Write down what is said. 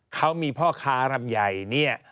เขามีพ่อค้ารำใหญ่เนี่ย